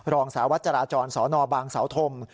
รองสาวัชราจรสนบางสธมฯ